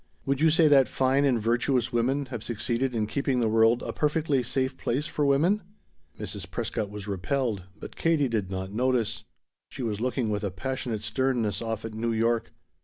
"Would you say that 'fine and virtuous women' have succeeded in keeping the world a perfectly safe place for women?" Mrs. Prescott was repelled, but Katie did not notice. She was looking with a passionate sternness off at New York.